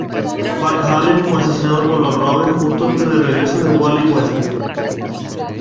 Bart Allen fue asesinado por los Rogues justo antes del regreso de Wally West.